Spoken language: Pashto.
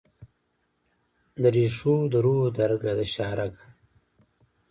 درېښو دروح درګه ، دشاهرګه